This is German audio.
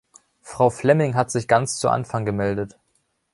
Frau Flemming hat sich ganz zu Anfang gemeldet.